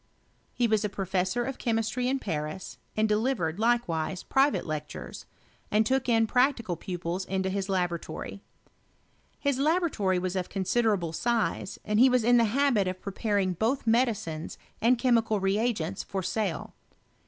Hewas a professor of chemistry in Paris, and delivered, likewise, private lectures, and took in prac tical pupils into his laboratory. His laboratory was of considerable size, and he was in the habit of pre paring both medicines and chemical reagents for sale.